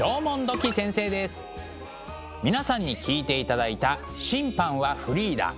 皆さんに聴いていただいた「審判はフリーダ」。